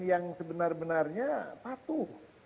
yang sebenar benarnya patuh